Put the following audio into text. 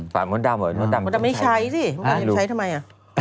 ฝ่ายมดดำเหรอมดดำไม่ใช้สิมดดำไม่ใช้ทำไมอ่ะ